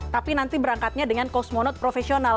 tapi nanti berangkatnya dengan kosmonaut profesional